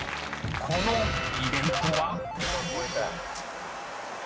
［このイベントは？］